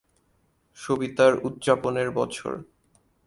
সবিতার উদ্যাপনের বছর